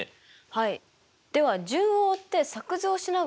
はい。